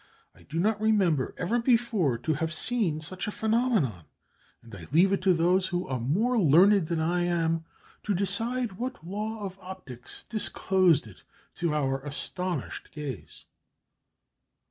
I do not remember ever before to have seen such a phenomenon, and I leave it to those who are more learned than I am to decide what law of optics disclosed it to our astonished gaze."